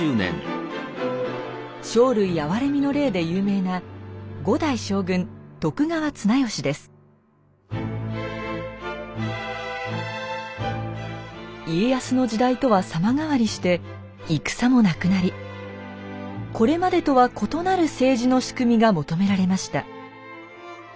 「生類憐れみの令」で有名な家康の時代とは様変わりして戦もなくなりこれまでとは異なる政治の仕組みが求められました。